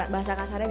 bahasa kasarnya gitu